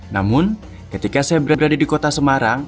namun ketika saya berada di kota semarang